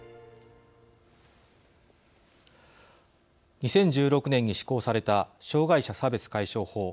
２０１６年に施行された障害者差別解消法。